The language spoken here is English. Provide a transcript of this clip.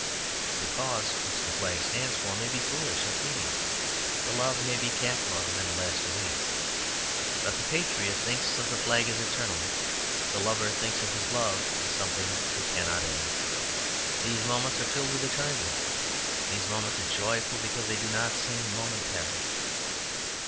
The cause which the flag stands for may be foolish and fleeting; the love may be calf love, and last a week. But the patriot thinks of the flag as eternal; the lover thinks of his love as something that cannot end. These moments are filled with eternity; these moments are joyful because they do not seem momentary.